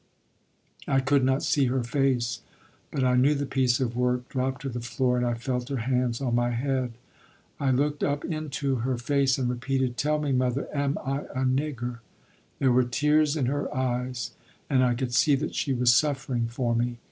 I could not see her face, but I knew the piece of work dropped to the floor and I felt her hands on my head. I looked up into her face and repeated: "Tell me, mother, am I a nigger?" There were tears in her eyes and I could see that she was suffering for me.